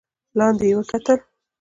لاندې يې وکتل.